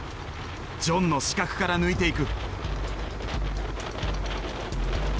ジョンの死角から抜いていく。